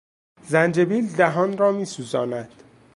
زنجبیل دهان را میسوزاند.